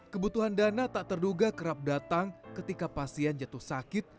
kebutuhan dana tak terduga kerap datang ketika pasien jatuh sakit